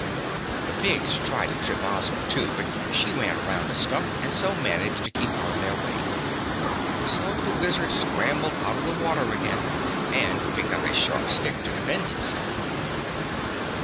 The pigs tried to trip Ozma, too, but she ran around a stump and so managed to keep out of their way. So the Wizard scrambled out of the water again and picked up a sharp stick to defend himself.